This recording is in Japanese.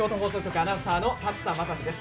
アナウンサーの竜田理史です。